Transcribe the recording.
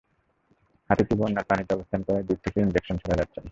হাতিটি বন্যার পানিতে অবস্থান করায় দূর থেকে ইনজেকশন ছোড়া যাচ্ছে না।